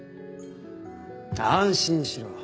安心しろ。